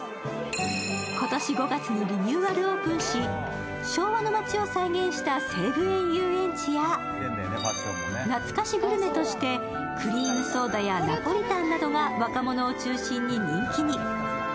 今年５月にリニューアルオープンし、昭和の街を再現した西武園ゆうえんちや、懐かしグルメとしてクリームソーダやナポリタンなどが若者を中心に人気に。